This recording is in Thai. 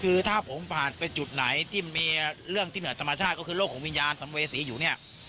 คือถ้าผมผ่านไปจุดไหนที่มีเรื่องที่เหนือธรรมชาติก็คือโรคของวิญญาณสัมเวษีอยู่เนี่ย